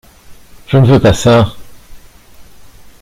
Je ne veux pas ça.